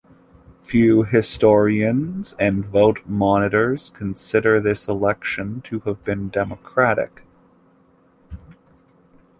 Few historians and vote monitors consider this election to have been democratic.